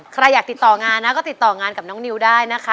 ใครอยากติดต่องานนะก็ติดต่องานกับน้องนิวได้นะคะ